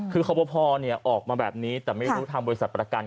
คือคอปภออกมาแบบนี้แต่ไม่รู้ทางบริษัทประกัน